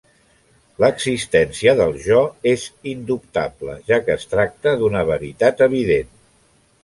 L'existència del Jo és indubtable, ja que es tracta d'una veritat evident.